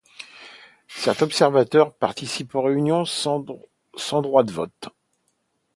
Cet observateur participe aux réunions, sans droit de vote.